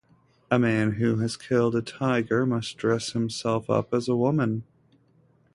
A man who has killed a tiger must dress himself up as a woman.